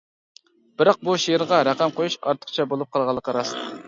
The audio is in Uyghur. بىراق، بۇ شېئىرغا رەقەم قويۇش ئارتۇقچە بولۇپ قالغانلىقى راست.